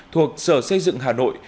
thuộc sở xây dựng hà nội